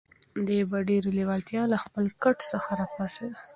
دی په ډېرې لېوالتیا له خپل کټ څخه را پاڅېد.